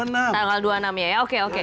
tanggal dua puluh enam ya oke oke